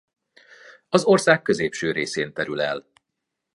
Az ország középső részén terül el.